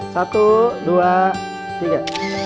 satu dua tiga